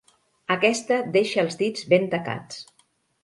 Aquesta deixa els dits ben tacats.